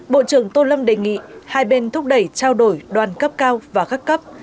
bộ trưởng tô lâm đề nghị hai bên thúc đẩy trao đổi đoàn cấp